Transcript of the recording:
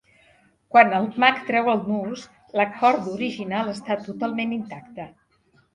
Quan el mag treu el nus, la corda original està totalment intacta.